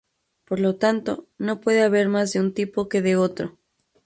Por lo tanto, no puede haber más de un tipo que de otro.